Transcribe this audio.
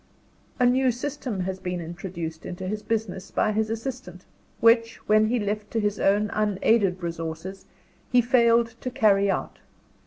A new system had been introduced into his business by his assistant, which, when left to his own unaided resources, he failed to carry out.